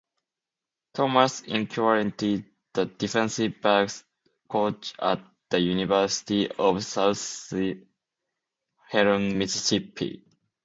Thomas is currently the Defensive backs coach at the University of Southern Mississippi.